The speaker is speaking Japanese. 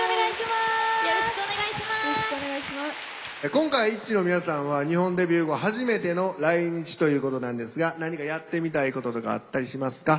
今回、ＩＴＺＹの皆さんは日本デビュー後、初めての来日ということなんですが何かやってみたいこととかあったりしますか？